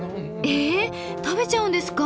え食べちゃうんですか？